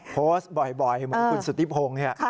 โพสต์บ่อยเหมือนคุณสุธิพงศ์เนี่ย